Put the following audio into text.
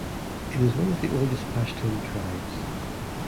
It is one of the oldest Pashtun tribes.